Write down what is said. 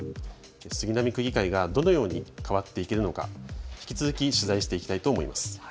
杉並区議会がどのように変わっていけるのか引き続き取材していきたいと思います。